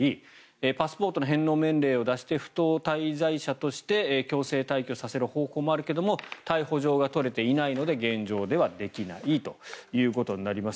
パスポートの返納命令を出して不当滞在者として強制退去させる方法もあるが逮捕状が取れていないので現状ではできないということになります。